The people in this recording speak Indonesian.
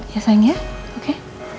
ya sayang ya oke